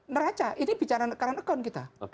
neraca ini bicara current account kita